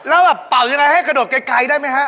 แล้วแบบเป่ายังไงให้กระโดดไกลได้ไหมฮะ